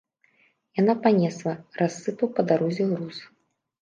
Яна панесла, рассыпаў па дарозе груз.